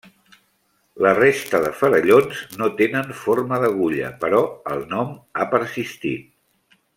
La resta de farallons no tenen forma d'agulla però el nom ha persistit.